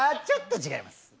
ちょっと違います